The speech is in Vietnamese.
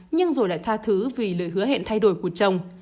nhưng rồi lại tha thứ vì lời hứa hẹn thay đổi của chồng